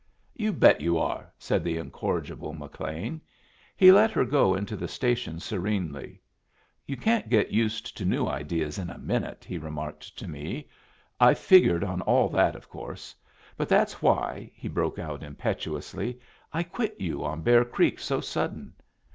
"You bet you are!" said the incorrigible McLean. He let her go into the station serenely. "You can't get used to new ideas in a minute," he remarked to me. "I've figured on all that, of course. But that's why," he broke out, impetuously, "I quit you on Bear Creek so sudden.